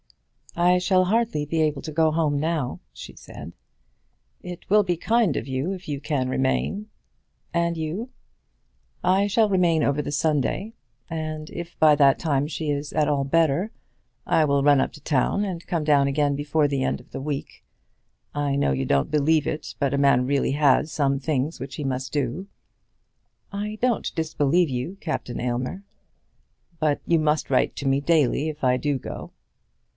"I shall hardly be able to go home now," she said. "It will be kind of you if you can remain." "And you?" "I shall remain over the Sunday. If by that time she is at all better, I will run up to town and come down again before the end of the week. I know you don't believe it, but a man really has some things which he must do." "I don't disbelieve you, Captain Aylmer." "But you must write to me daily if I do go."